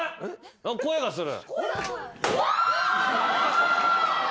声がする。